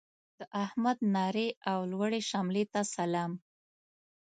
د احمد نرې او لوړې شملې ته سلام.